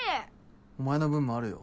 お前の分もあるよ。